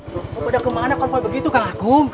lo pada kemana konvoi begitu kakakkum